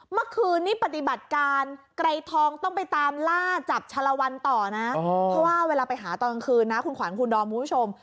เมื่อคืนนี้ปฏิบัติการไกรทองต้องไปตามล่าจับชะละวันต่อนะเพราะว่าเวลาไปหาตอนกลางคืนนะคุณขวัญคุณดอมคุณผู้ชม